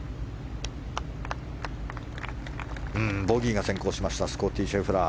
ボギーが先行しましたスコッティ・シェフラー。